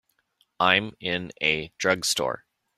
I'm in a drugstore.